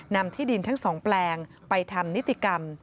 นำที่ดินทั้งสองแปลงไปทำนิติกรรม